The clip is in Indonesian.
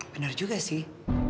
benar juga sih